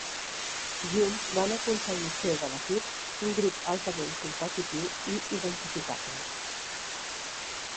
Junts van aconseguir fer de l'equip un grup altament competitiu i identificable.